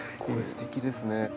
これすてきですね。